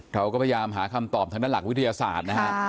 เราก็พยายามหาคำตอบทางด้านหลักวิทยาศาสตร์นะฮะ